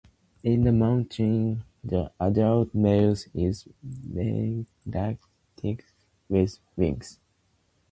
In this mutation, the adult male is melanistic with black wings.